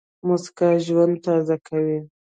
موسکا ژوند تازه کوي.